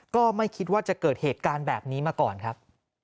ก็ไม่คิดว่าจะเกิดเหตุการณ์แบบนี้มาก่อนครับ